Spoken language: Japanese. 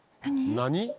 何？